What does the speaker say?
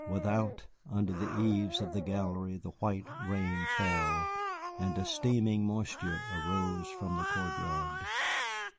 Without, under the eaves of the gallery, a white rain fell, and a steaming moisture arose from the court yard.